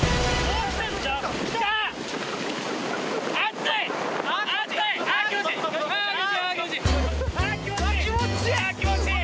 ・うわ気持ちいい！